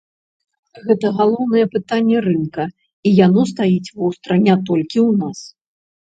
Гэта галоўнае пытанне рынка, і яно стаіць востра не толькі ў нас.